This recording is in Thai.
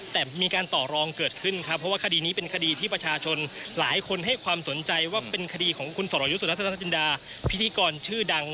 แต่มีการต่อรองเกิดขึ้นครับเพราะว่าคดีนี้เป็นคดีที่ประชาชนหลายคนให้ความสนใจว่าเป็นคดีของคุณสรยุทธจินดาพิธีกรชื่อดัง